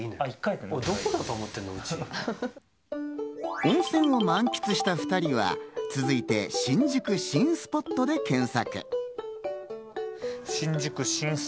温泉を満喫した２人は、続いて「＃新宿新スポット」で検索。